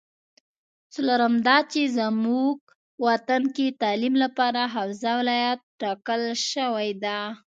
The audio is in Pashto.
څلورم دا چې زمونږ وطن کې تعلیم لپاره حوزه ولایت ټاکل شوې ده